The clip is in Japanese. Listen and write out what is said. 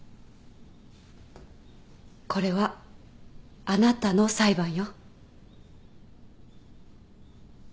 これはあなたの裁判よ